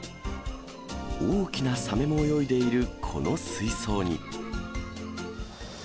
大きなサメも泳いでいる、この水槽に。